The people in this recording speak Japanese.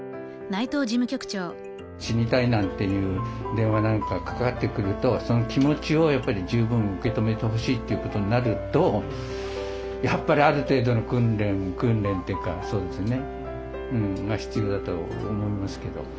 「死にたい」なんていう電話なんかかかってくるとその気持ちをやっぱり十分受け止めてほしいということになるとやっぱりある程度の訓練が必要だと思いますけど。